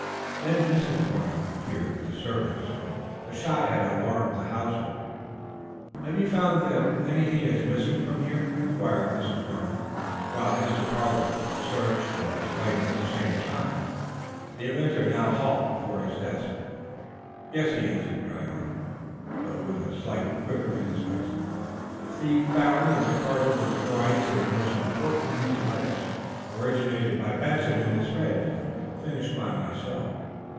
Then Mrs. Farnum appeared, with the servants, for the shot had alarmed the household. "Have you found that anything is missing from here?" inquired Mrs. Farnum, while Mr. pollard searched and explained at the same time. The inventor now halted before his desk, rummaging. "Yes," he answered, dryly, though with a slight quaver in his voice. "The thief found and departed with the drawings of a most important new device, originated by Benson and his friends and finished by myself.